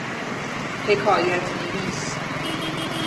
حکایت نویس